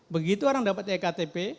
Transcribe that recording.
begitu orang dapat ektp